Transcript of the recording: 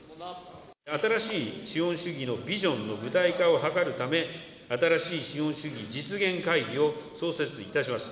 新しい資本主義のビジョンの具体化を図るため、新しい資本主義実現会議を創設いたします。